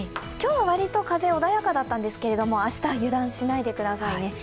今日は割と風、穏やかだったんですけども、明日は油断しないでくださいね。